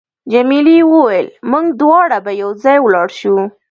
جميلې وويل: موږ دواړه به یو ځای ولاړ شو.